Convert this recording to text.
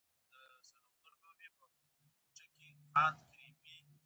د اخترونو بازار تود وي